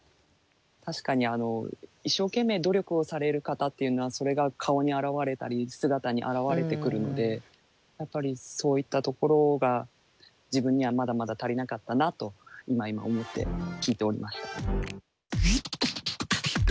確かに一生懸命努力をされる方っていうのはそれが顔に表れたり姿に表れてくるのでやっぱりそういったところが自分にはまだまだ足りなかったなと今思って聞いておりました。